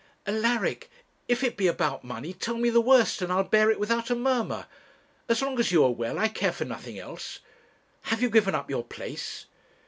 'Alaric, if it be about money tell me the worst, and I'll bear it without a murmur. As long as you are well I care for nothing else have you given up your place?'